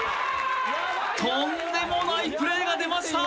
とんでもないプレーが出ました